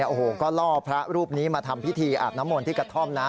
โอ้โหก็ล่อพระรูปนี้มาทำพิธีอาบน้ำมนต์ที่กระท่อมนะ